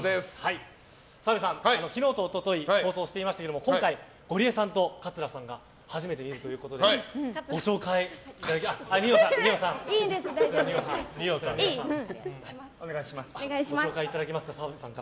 澤部さん、昨日と一昨日放送してきましたけど今回、ゴリエさんと桂さんが初めて見てくれるということでご紹介いただけますでしょうか。